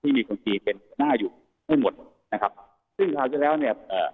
ที่มีความคิดเป็นหน้าอยู่ทั้งหมดนะครับซึ่งคราวที่แล้วเนี่ยอ่า